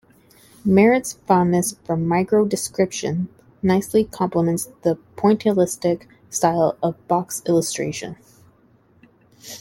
Merritt's fondness for micro-description nicely complements the pointillistic style of Bok's illustrations.